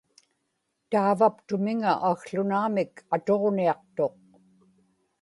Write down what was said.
taavaptumiŋa akłuunamik atuġniaqtuq